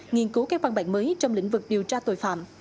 nghiên cứu các văn bản mới trong lĩnh vực điều tra tội phạm